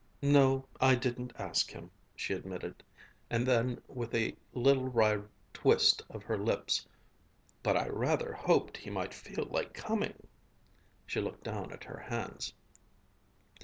"No, I didn't ask him," she admitted, and then with a little wry twist of her lips, "But I rather hoped he might feel like coming." She looked down at her hands.